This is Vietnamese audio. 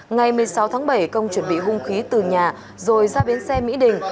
ngày một mươi sáu tháng bảy công chuẩn bị hung khí từ nhà rồi ra biến xe mỹ đình